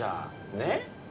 ねっ？